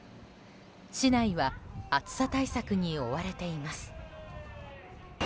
市内は暑さ対策に追われています。